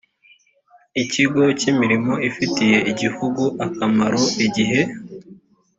ikigo cy imirimo ifitiye igihugu akamaro igihe